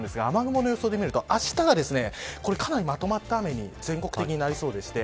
雨雲の予想で見るとあしたがかなりまとまった雨に全国的になりそうです。